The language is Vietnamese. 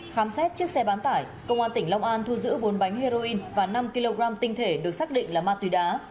khám xét chiếc xe bán tải công an tỉnh long an thu giữ bốn bánh heroin và năm kg tinh thể được xác định là ma túy đá